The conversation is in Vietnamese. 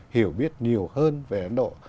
hiểu biết nhiều hơn về ấn độ